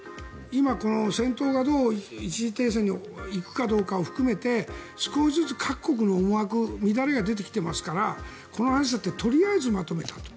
今、戦闘がどう一時停戦が行くかどうかを含めて少しずつ各国の思惑、乱れが出てきていますからこの話だってとりあえずまとめたと。